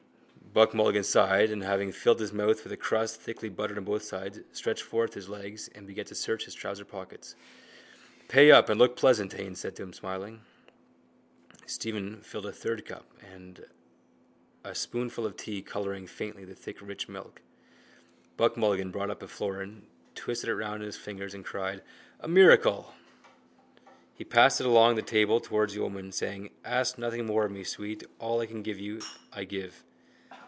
Buck Mulligan sighed and, having filled his mouth with a crust thickly buttered on both sides, stretched forth his legs and began to search his trouser pockets. —Pay up and look pleasant, Haines said to him, smiling. Stephen filled a third cup, a spoonful of tea colouring faintly the thick rich milk. Buck Mulligan brought up a florin, twisted it round in his fingers and cried: —A miracle! He passed it along the table towards the old woman, saying: —Ask nothing more of me, sweet. All I can give you I give.